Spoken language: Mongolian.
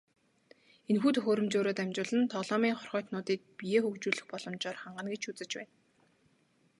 Энэхүү төхөөрөмжөөрөө дамжуулан тоглоомын хорхойтнуудыг биеэ хөгжүүлэх боломжоор хангана гэж үзэж байна.